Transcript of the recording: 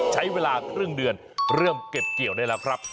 ใช้เวลาครึ่งเดือนเริ่มเก็บเกี่ยวได้แล้วครับ